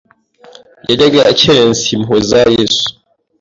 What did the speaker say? Yajyaga akerensa impuhwe za Yesu.